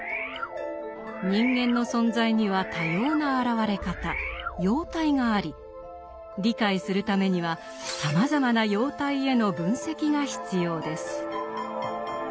人間の存在には多様な現れ方「様態」があり理解するためにはさまざまな様態への分析が必要です。